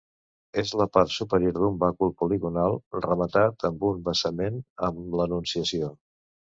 És la part superior d'un bàcul poligonal rematat amb un basament amb l'Anunciació.